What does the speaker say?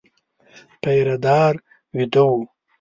پيره دار وېده و.